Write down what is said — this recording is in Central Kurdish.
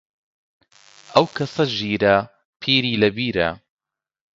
ئەو کەسە ژیرە، پیری لە بیرە